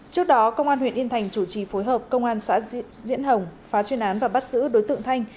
trước đó công an huyện yên thành chủ trì phối hợp công an xã diễn hồng phá chuyên án và bắt giữ đối tượng thanh